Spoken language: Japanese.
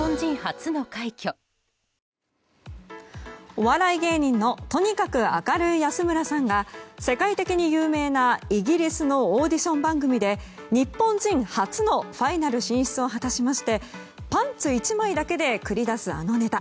お笑い芸人のとにかく明るい安村さんが世界的に有名なイギリスのオーディション番組で日本人初のファイナル進出を果たしましてパンツ１枚だけで繰り出すあのネタ